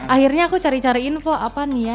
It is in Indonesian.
akhirnya aku cari cari info apa nih ya